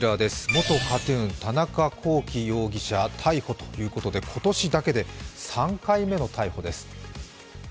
元ＫＡＴ−ＴＵＮ、田中聖容疑者逮捕ということで今年だけで３回目の逮捕です。